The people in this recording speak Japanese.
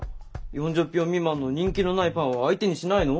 ４０票未満の人気のないパンは相手にしないの？